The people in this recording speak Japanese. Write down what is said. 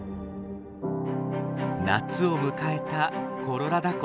夏を迎えたコロラダ湖。